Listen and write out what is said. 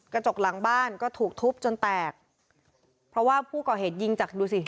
กระจกหลังบ้านก็ถูกทุบจนแตกเพราะว่าผู้ก่อเหตุยิงจากดูสิ